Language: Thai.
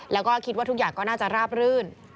แล้วก็คิดว่าทุกอย่างก็น่าจะราบรื่น